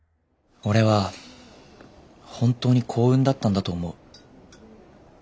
俺は本当に幸運だったんだと思う。